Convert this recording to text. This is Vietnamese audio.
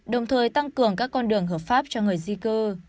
đồng thời tăng cường các con đường hợp pháp cho người di cư